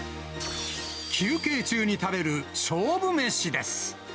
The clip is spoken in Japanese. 休憩中に食べる勝負飯です。